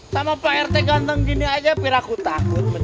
sama pak rete ganteng gini aja perakku takut